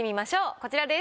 こちらです。